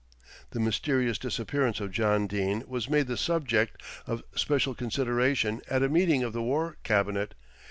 The mysterious disappearance of John Dene was made the subject of special consideration at a meeting of the War Cabinet.